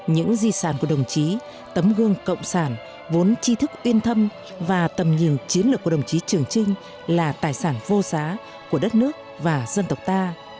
những di sản của đồng chí tấm gương cộng sản vốn chi thức yên tâm và tầm nhìn chiến lược của đồng chí trường trinh là tài sản vô giá của đất nước và dân tộc ta